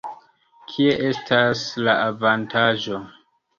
Kie estas la avantaĝo?